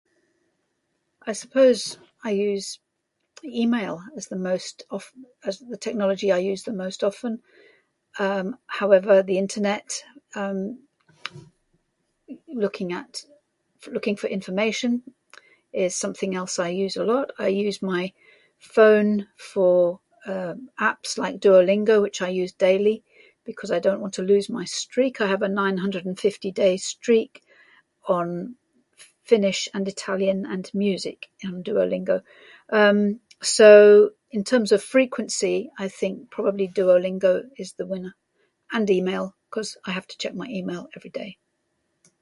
I suppose I use e-mail as the most oft- as the technology I use the most often. Um, however, the internet, um, looking at- f- looking for information is something else I use a lot. I use my phone for, um, apps like Duolingo, which I use daily because I don't want to lose my streak: I have a nine hundred and fifty day streak on Finnish and Italian and music on Duolingo. Um, so, in terms of frequency, I think probably Duolingo is the winner. And e-mail cuz I have to check my e-mail every day.